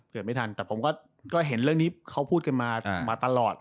เกิดไม่ทันแต่ผมก็เห็นเรื่องนี้เขาพูดกันมาตลอด